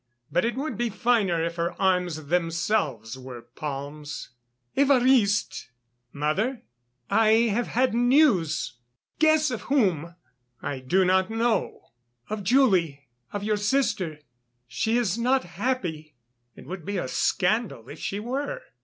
"But it would be finer if her arms themselves were palms." "Évariste!" "Mother?" "I have had news ... guess, of whom...." "I do not know." "Of Julie ... of your sister.... She is not happy." "It would be a scandal if she were."